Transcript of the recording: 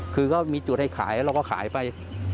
คือเขามีจุดให้ขายเราก็ขายไป